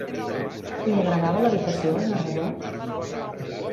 Li agradava l'habitació al narrador?